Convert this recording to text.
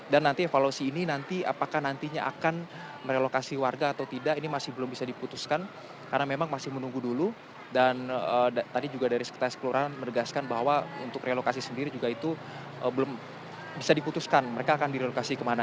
dan nanti evaluasi ini nanti apakah nantinya akan merelokasi warga atau tidak ini masih belum bisa diputuskan